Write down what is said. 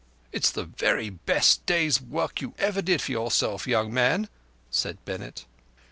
"It's the very best day's work you ever did for yourself, young man," said Bennett.